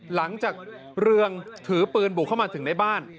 เรืองถือปืนบุกเข้ามาถึงในบ้าน